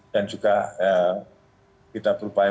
dan juga kita berupaya